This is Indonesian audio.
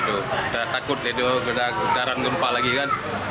kita takut itu gerakan gempa lagi kan